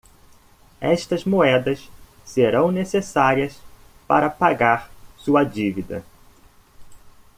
Estas moedas serão necessárias para pagar sua dívida.